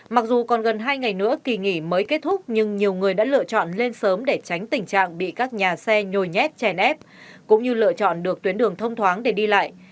mặc dù còn gần hai ngày nữa kỳ nghỉ mới kết thúc nhưng nhiều người đã lựa chọn lên sớm để tránh tình trạng bị các nhà xe nhồi nhét chèn ép cũng như lựa chọn được tuyến đường thông thoáng để đi lại